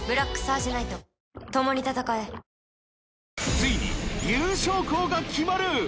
ついに優勝校が決まる！